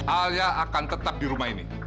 alia akan tetap di rumah ini